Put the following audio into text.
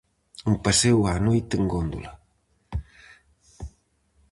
Un paseo á noite en góndola.